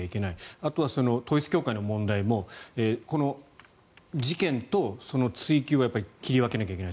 あとは統一教会の問題もこの事件とその追及はやっぱり切り分けなければいけない。